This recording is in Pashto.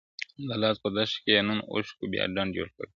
د لاس په دښته كي يې نن اوښكو بيا ډنډ جوړ كـړى,